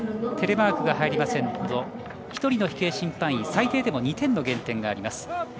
テレマークが入りませんと１人の飛型審判員最低でも２点の減点があります。